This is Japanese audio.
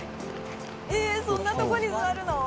えっそんなとこに座るの？